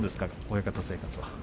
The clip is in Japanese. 親方生活は。